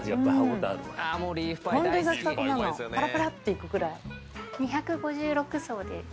パラパラっていくくらい。